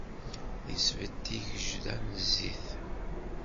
Isbedd tigejda n zzit.